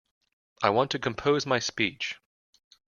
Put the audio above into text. I want to compose my speech.